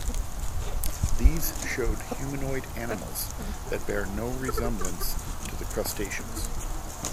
These showed humanoid animals that bear no resemblance to the crustaceans.